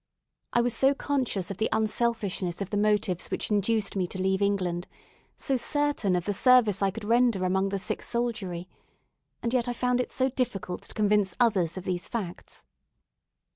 I was so conscious of the unselfishness of the motives which induced me to leave England so certain of the service I could render among the sick soldiery, and yet I found it so difficult to convince others of these facts.